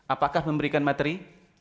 apakah memberikan materi